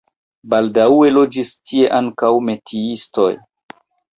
Baldaŭe loĝis tie ankaŭ metiistoj.